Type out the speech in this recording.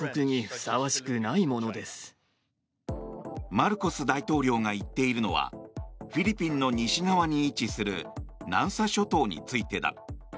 マルコス大統領が言っているのはフィリピンの西側に位置する南沙諸島についてだ。